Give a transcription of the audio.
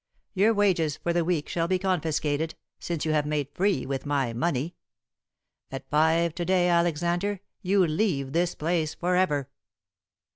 Your wages for the week shall be confiscated, since you have made free with my money. At five to day, Alexander, you leave this place forever."